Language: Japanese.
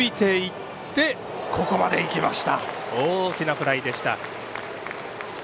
大きなフライでした。